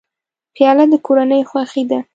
پیاله د کورنۍ خوښي ده.